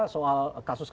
soal kekerasan seksual